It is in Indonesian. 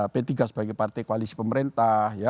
p tiga sebagai partai koalisi pemerintah